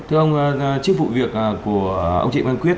thưa ông trước vụ việc của ông trịnh văn quyết